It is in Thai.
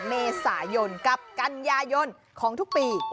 เมษายนกับกันยายนของทุกปี